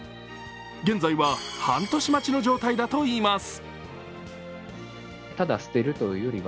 現在は半年待ちの状態だといいます。